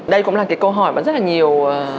đây cũng là cái câu hỏi mà rất là nhiều